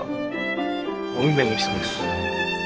もう運命の人です。